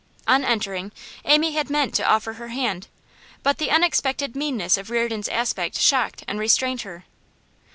On entering, Amy had meant to offer her hand, but the unexpected meanness of Reardon's aspect shocked and restrained her.